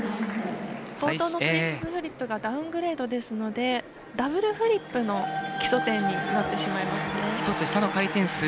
冒頭のトリプルフリップがダウングレードですのでダブルフリップの基礎点になってしまいますね。